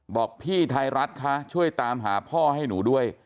บอกพี่ไทยรัฐคะช่วยตามหาพ่อให้หนูด้วย